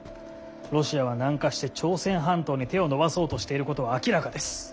ロシアは南下して朝鮮半島に手を伸ばそうとしていることは明らかです。